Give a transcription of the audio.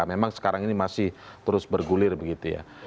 memang sekarang ini masih terus bergulir begitu ya